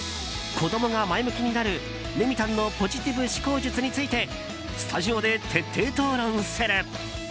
子供が前向きになるレミたんのポジティブ思考術についてスタジオで徹底討論する。